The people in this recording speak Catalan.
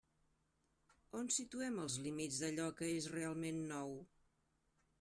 On situem els límits d'allò que és realment nou?